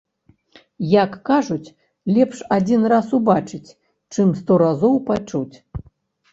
Як кажуць, лепш адзін раз убачыць, чым сто разоў пачуць.